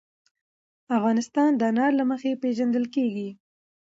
افغانستان د انار له مخې پېژندل کېږي.